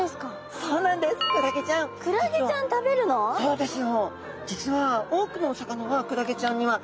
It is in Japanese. そうですよね。